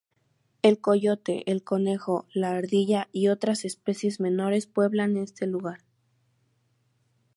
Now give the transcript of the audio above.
El coyote, el conejo, la ardilla y otras especies menores pueblan este lugar.